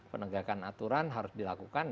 penegakan aturan harus dilakukan